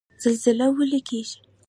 زلزله ولې کیږي؟